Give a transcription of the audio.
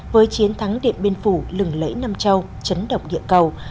với chiến thắng điện biên phủ lừng lẫy nam châu chấn động địa cầu